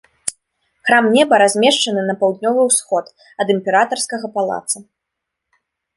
Храм неба размешчаны на паўднёвы ўсход ад імператарскага палаца.